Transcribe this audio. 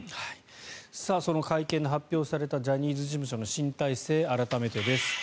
その会見で発表されたジャニーズ事務所の新体制改めてです。